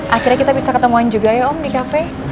akhirnya kita bisa ketemuan juga ya om di cafe